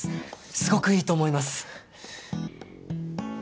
すごくいいと思います